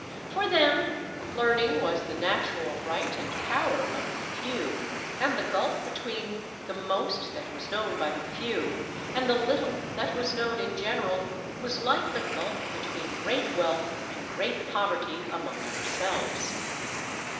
For them, learning was the natural right and power of the few, and the gulf between the most that was known by the few and the little that was known in general, was like the gulf between great wealth and great poverty among ourselves.